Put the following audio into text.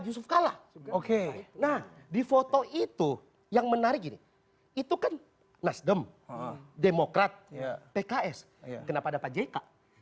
yusuf kalla oke nah di foto itu yang menarik gini itu kan nasdem demokrat pks kenapa ada pak jk